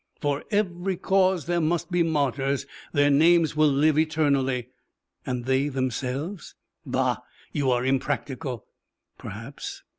"For every cause there must be martyrs. Their names will live eternally." "And they themselves ?" "Bah! You are impractical." "Perhaps."